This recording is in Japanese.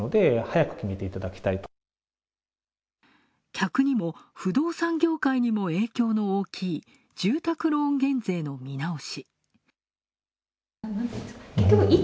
客にも不動産業界にも影響の大きい、住宅ローン減税の見直し。